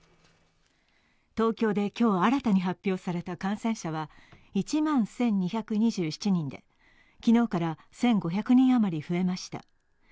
東京で今日新たに発表された感染者は１万１２２７人で昨日から１５００人余り増えました。